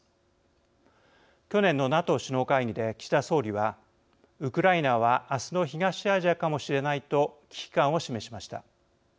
去年のＮＡＴＯ首脳会議で岸田総理は「ウクライナは明日の東アジアかもしれない」と危機感を示しました。